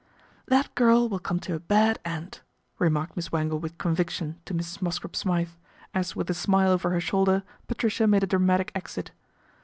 " That girl will come to a bad end," remarked Miss Wangle with conviction to Mrs. Mosscrop Smythe, as with a smile over her shoulder Patricia made a dramatic exit.